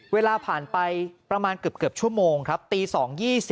เวลาผ่านไปประมาณเกือบชั่วโมงครับตี๒๒๐